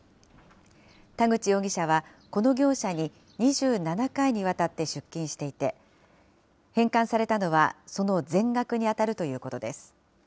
田口容疑者は、この業者に２７回にわたって出金していて、返還されたのは、その全額に当たるということです。